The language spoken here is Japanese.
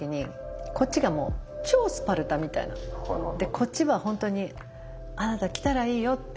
こっちは本当にあなた来たらいいよって。